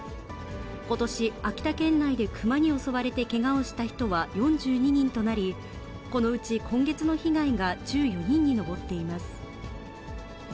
ことし、秋田県内で熊に襲われてけがをした人は４２人となり、このうち今月の被害が１４人に上っています。